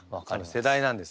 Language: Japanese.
世代なんです。